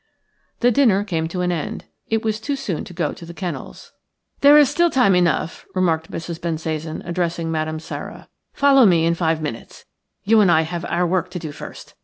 The dinner came to an end. It was too soon to go to the kennels. "There is still time enough," remarked Mrs. Bensasan, addressing Madame Sara. "Follow me in five minutes. You and I have our work to do first.